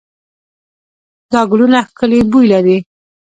دا ګلونه ښکلې بوی لري.